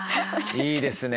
いいですね。